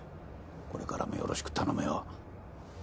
これからもよろしく頼むよ